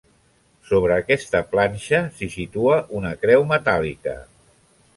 Sobre aquesta planxa s'hi situa una creu metàl·lica.